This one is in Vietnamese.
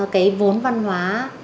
cái vốn văn hóa